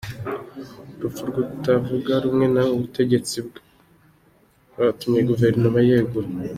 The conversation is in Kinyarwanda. Urupfu rw’utavuga rumwe n’ubutegetsi rwatumye Guverinoma yegura